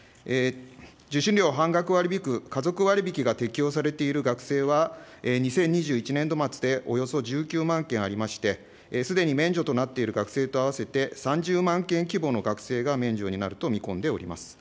受信料を半額割り引く家族割引が適用されている学生は、２０２１年度末でおよそ１９万件ありまして、すでに免除となっている学生と合わせて、３０万件規模の学生が免除になると見込んでおります。